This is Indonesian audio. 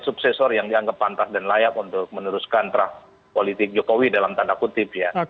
suksesor yang dianggap pantas dan layak untuk meneruskan terah politik jokowi dalam tanda kutip ya